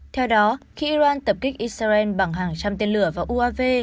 theo đó khi iran tập kích israel bằng hàng trăm tên lửa vào uav